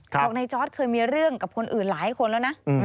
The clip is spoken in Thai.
บอกในจอร์ดเคยมีเรื่องกับคนอื่นหลายคนแล้วนะ